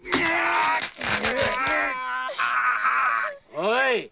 おい！